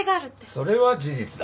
それは事実だ